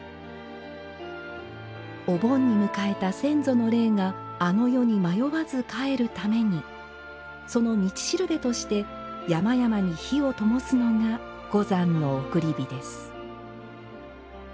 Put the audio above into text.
お盆に迎えた先祖の霊があの世に迷わず帰るためにその道しるべとして山々に火をともすのが五山の送り火です。